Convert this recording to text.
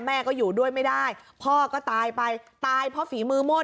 แม่ก็อยู่ด้วยไม่ได้พ่อก็ตายไป